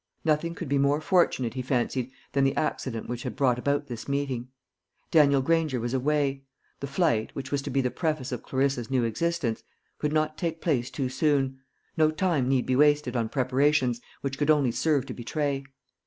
Nothing could be more fortunate, he fancied, than the accident which had brought about this meeting. Daniel Granger was away. The flight, which was to be the preface of Clarissa's new existence, could not take place too soon; no time need be wasted on preparations, which could only serve to betray.